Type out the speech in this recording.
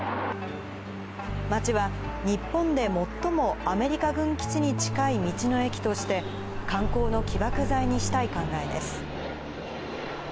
町は日本で最もアメリカ軍基地に近い道の駅として、観光の起爆剤にしたい考えです。